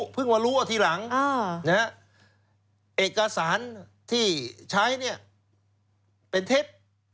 เพิ่งมารู้ว่าทีหลังเอกสารที่ใช้เป็นเท็จ